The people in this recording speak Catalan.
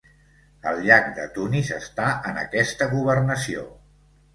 El llac de Tunis està en aquesta governació.